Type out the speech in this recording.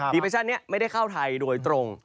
เปชั่นนี้ไม่ได้เข้าไทยโดยตรง